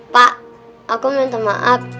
pak aku minta maaf